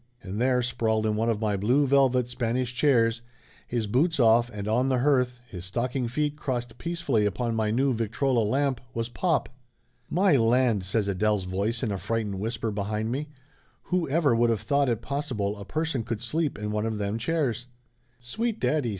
And there sprawled in one of my blue velvet Spanish chairs, his boots off and on the hearth, his stocking feet crossed peacefully upon my new victrola lamp, was pop! "My land !" says Adele's voice in a frightened whis per behind me. "Who ever would of thought it pos sible a person could sleep in one of them chairs !" "Sweet daddy !"